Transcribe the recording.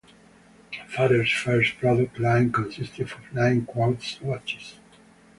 Farer’s first product line consisted of nine quartz watches.